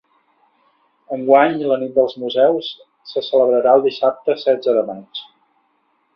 Enguany la Nit dels Museus se celebrarà el dissabte setze de maig.